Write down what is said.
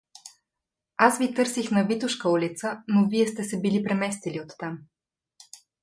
Аз ви търсих на Витошка улица, но вие сте се били преместили оттам.